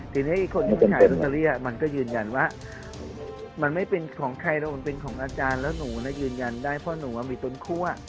ทีนี้คนที่ไปขายลอตเตอรี่มันก็ยืนยันว่ามันไม่เป็นของใครแล้วมันเป็นของอาจารย์แล้วหนูยืนยันได้เพราะหนูมีต้นคั่ว